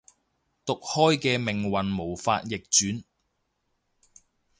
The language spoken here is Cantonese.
毒開嘅命運無法逆轉